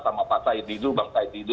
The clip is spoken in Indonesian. sama pak said didu bang said didu